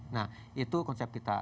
nah itu konsep kita